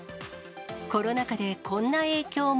コロナ禍でこんな影響も。